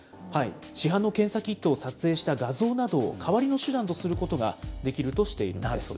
市販の検査キットを撮影した画像などを代わりの手段とすることができるとしています。